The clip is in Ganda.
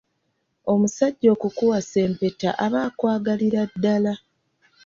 Omusajja okukuwasa empeta aba akwagalira ddala.